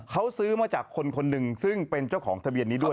เขาซื้อมาจากคนคนหนึ่งซึ่งเป็นเจ้าของทะเบียนนี้ด้วย